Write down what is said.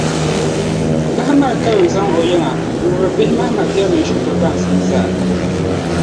O lahi mali karimzɔŋ o yiŋa n-wuhiri bihi Mahamadiya mini shikuru baŋsim zaa.